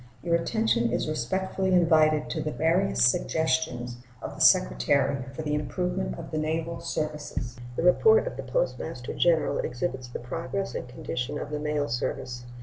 Your attention is respectfully invited to the various suggestions of the Secretary for the improvement of the naval service. The report of the Postmaster General exhibits the progress and condition of the mail service.